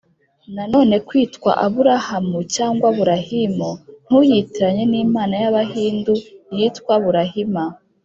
nanone kwitwa abulaham cyangwa burahimu (ntuyitiranye n’imana y’abahindu yitwa burahima).